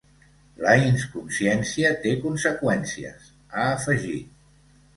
La inconsciència té conseqüències, ha afegit.